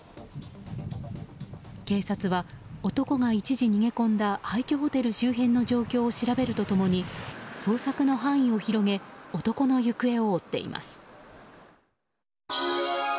警察は男が一時逃げ込んだ廃虚ホテル周辺の情報を調べると共に捜索の範囲を広げ男の行方を追っています。